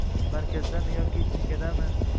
Markazdamizmi yoki chekada?